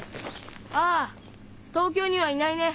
ああ東京にはいないね